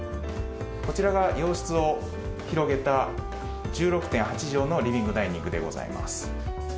こちらが洋室を広げた、１６．８畳のリビング・ダイニングでございます。